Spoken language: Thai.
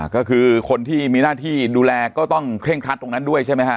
ก็คือคนที่มีหน้าที่ดูแลก็ต้องเคร่งครัดตรงนั้นด้วยใช่ไหมฮะ